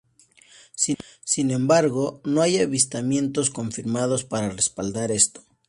Sin embargo, no hay avistamientos confirmados para respaldar esto.